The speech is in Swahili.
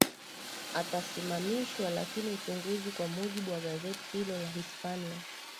atasimamishwa lakini uchunguzi kwa mujibu wa gazeti hilo la hispania